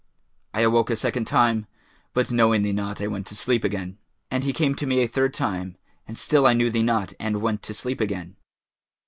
I awoke a second time, but knowing thee not I went to sleep again; and he came to me a third time and still I knew thee not and went to sleep again.